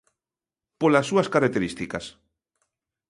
Polas súas características.